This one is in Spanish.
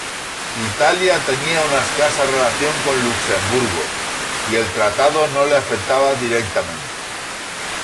Italia tenía una escasa relación con Luxemburgo, y el tratado no le afectaba directamente.